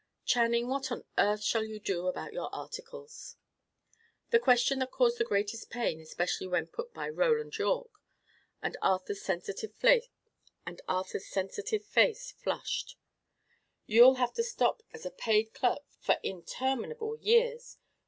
Channing, what on earth shall you do about your articles?" A question that caused the greatest pain, especially when put by Roland Yorke; and Arthur's sensitive face flushed. "You'll have to stop as a paid clerk for interminable years!